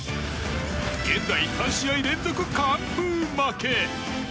現在、３試合連続完封負け。